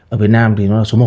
ở việt nam thì nó là số một